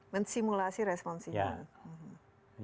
mensimulasi respon imun